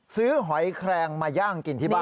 หอยแครงมาย่างกินที่บ้าน